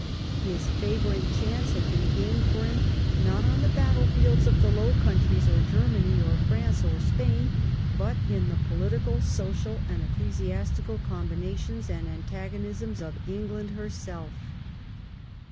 His favouring chance had been gained for him not on the battlefields of the Low Countries, or Germany, or France, or Spain, but in the political, social, and ecclesiastical combinations and antagon isms of England herself.